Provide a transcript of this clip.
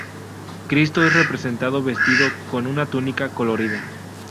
Cristo es representado vestido con una túnica colorida.